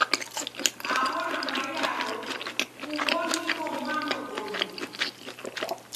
Aho nambai yaro, ugho nigho mwano ghonyu.